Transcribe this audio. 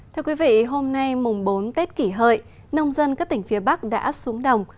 thưa quý vị hôm nay mùng bốn tết kỷ hợi nông dân các tỉnh phía bắc đã xuống đồng